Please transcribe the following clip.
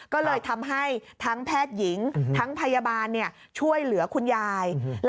ก็เลยทำให้ทั้งแพทย์หญิงทั้งพยาบาลช่วยเหลือคุณยาย